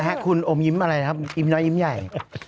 คุณอมยิ้มอะไรครับยิ้มน้อยยิ้มใหญ่